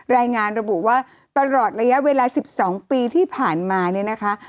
รายงานระบุว่าตลอดระยะเวลา๑๒ปีที่ผ่านมาเนี่ยนะคะ